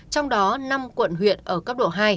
trong đó năm quận huyện ở cấp độ hai